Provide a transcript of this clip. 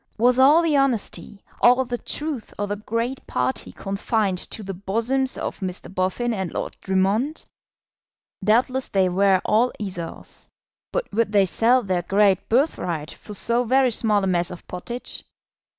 Was all the honesty, all the truth of the great party confined to the bosoms of Mr. Boffin and Lord Drummond? Doubtless they were all Esaus; but would they sell their great birthright for so very small a mess of pottage?